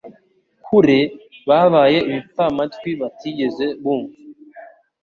kure? Babaye ibipfamatwi batigeze bumva?